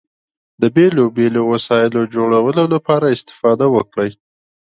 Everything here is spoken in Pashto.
د بېلو بېلو وسایلو جوړولو لپاره استفاده وکړئ.